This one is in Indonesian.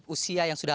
usia yang sudah